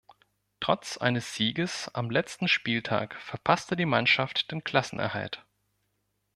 Trotz eines Sieges am letzten Spieltag verpasste die Mannschaft den Klassenerhalt.